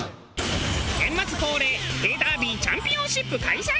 年末恒例へぇダービーチャンピオンシップ開催！